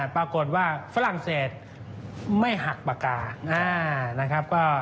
ปรากฏว่าฝรั่งเศสไม่หักปากกา